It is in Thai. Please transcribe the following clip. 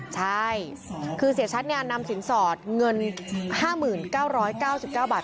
ใช่คือเสียชัดนำสินสอดเงิน๕๙๙๙บาท